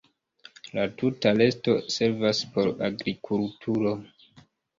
La tuta resto servas por agrikulturo.